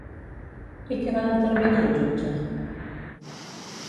I què va determinar el jutge?